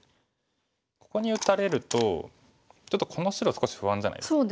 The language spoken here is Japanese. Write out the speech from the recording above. ここに打たれるとちょっとこの白少し不安じゃないですか。